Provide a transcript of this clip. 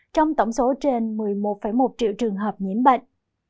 trong tổng số trên một mươi một một triệu trường hợp nhiễm bệnh